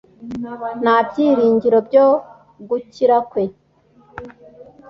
nta byiringiro byo gukira kwe